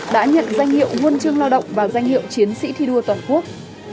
đã nhận danh hiệu huân chương lao động và danh hiệu chiến sĩ thi đua toàn quốc